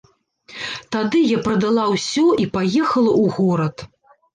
Тады я прадала ўсё і паехала ў горад.